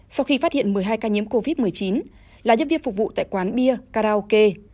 sau khi phát hiện một mươi hai ca nhiễm covid một mươi chín là nhân viên phục vụ tại quán bia karaoke